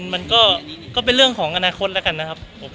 มันก็เป็นเรื่องของอนาคตแล้วกันนะครับโอเคนะครับ